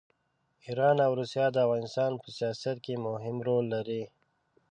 ایران او روسیه د افغانستان په سیاست کې مهم رول لري.